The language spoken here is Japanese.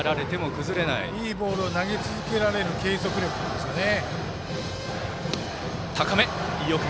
いいボールを投げ続けられる継続力ですね。